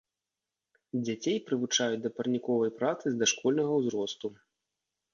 Дзяцей прывучаюць да парніковай працы з дашкольнага ўзросту.